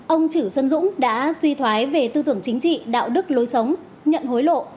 ông chử xuân dũng đã suy thoái về tư tưởng chính trị đạo đức lối sống nhận hối lộ